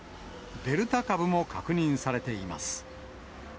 デルタ株も確認されています。